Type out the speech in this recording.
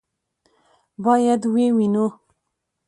باید ویې وینو.